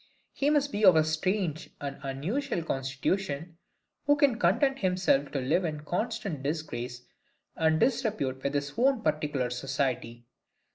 He must be of a strange and unusual constitution, who can content himself to live in constant disgrace and disrepute with his own particular society.